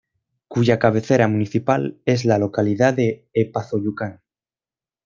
Cuya cabecera municipal es la localidad de Epazoyucan.